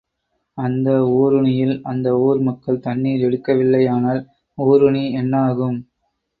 அந்த ஊருணியில் அந்த ஊர்மக்கள் தண்ணீர் எடுக்கவில்லையானால் ஊருணி என்னாகும்?